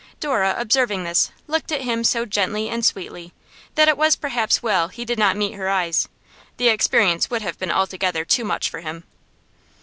Dora, observing this, looked at him so gently and sweetly that it was perhaps well he did not meet her eyes; the experience would have been altogether too much for him.